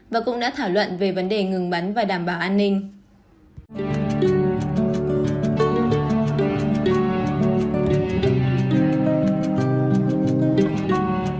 và cũng đã thảo luận về vấn đề ngừng bắn và đảm bảo an ninh